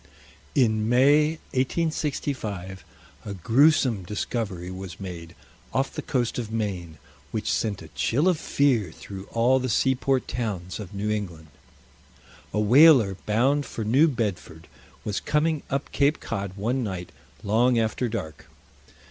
In May, 1865, a gruesome discovery was made off the coast of Maine, which sent a chill of fear through all the seaport towns of New England. A whaler bound for New Bedford was coming up Cape Cod one night long after dark.